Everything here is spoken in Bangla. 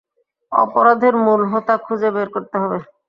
অপরাধের মূল হোতা খুঁজে বের করতে হবে।